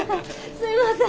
すいません。